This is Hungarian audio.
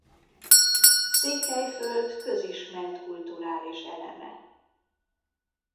Székelyföld közismert kulturális eleme.